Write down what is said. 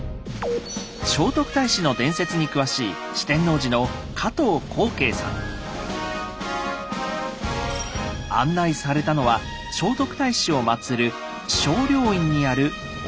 聖徳太子の伝説に詳しい案内されたのは聖徳太子を祀る聖霊院にあるお堂。